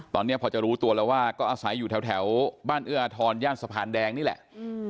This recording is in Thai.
ตอนนี้พอจะรู้ตัวแล้วว่าก็อาศัยอยู่แถวบ้านเอื้ออทรย่านสะพานแดงนี่แหละ